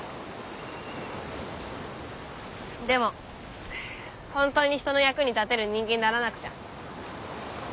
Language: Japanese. でも本当に人の役に立てる人間にならなくちゃ。